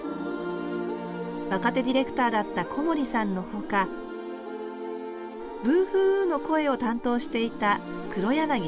若手ディレクターだった小森さんのほか「ブーフーウー」の声を担当していた黒柳徹子さん。